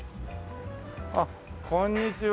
あっこんにちは。